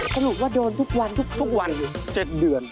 สรุปว่าโดนทุกวันทุกวัน๗เดือน